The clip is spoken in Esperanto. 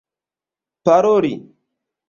paroli